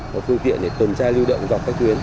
và phương tiện để tuần tra lưu động dọc các tuyến